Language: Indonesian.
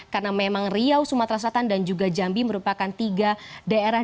karena memang riau sumatera selatan dan juga jambi merupakan tiga daerah